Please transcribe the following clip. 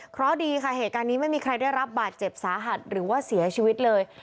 เพราะดีค่ะเหตุการณ์นี้ไม่มีใครได้รับบาดเจ็บสาหัสหรือว่าเสียชีวิตเลย